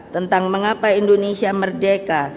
tentang mengapa indonesia merdeka